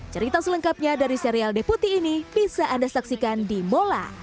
cerita selengkapnya dari serial deputi ini bisa anda saksikan di mola